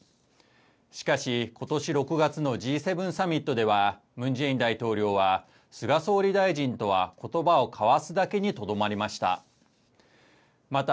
しかし、ことし６月のＧ７サミットでは、ムン・ジェイン大統領は菅総理大臣とはことばは交わすだけにとどまりました。